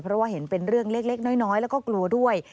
เพราะว่าเห็นเป็นเรื่องเล็กน้อยแล้วก็กลัวด้วย